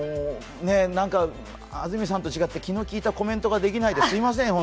安住さんと違って気の利いたコメントができないのですみません。